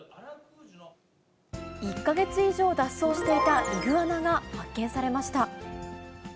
１か月以上脱走していたイグアナが発見されました。